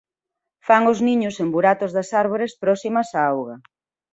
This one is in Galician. Fan os niños en buratos das árbores próximas á auga.